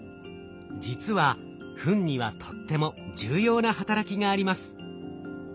実はフンにはとっても重要な働きがあります。